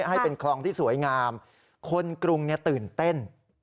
ให้เป็นคลองที่สวยงามคนกรุงตื่นเต้น